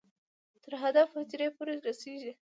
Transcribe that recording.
تر هدف حجرې پورې رسېږي.